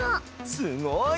すごい！